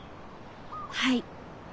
はい。